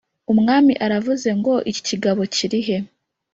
Umwami aravuze ngo Iki kigabo kirihe